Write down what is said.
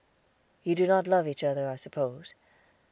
You do not love each other, I suppose.